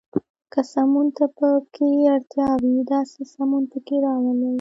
که سمون ته پکې اړتیا وي، داسې سمون پکې راولئ.